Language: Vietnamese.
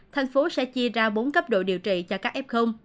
thành phố sẽ chia ra bốn cấp độ điều trị cho các f